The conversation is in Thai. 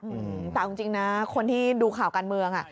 อืมตามจริงนะคนที่ดูข่าวการเมือง